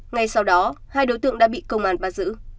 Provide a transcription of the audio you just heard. ngay sau đó hai đối tượng đã bị công an bắt giữ